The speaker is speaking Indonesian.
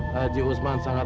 haji usman sangat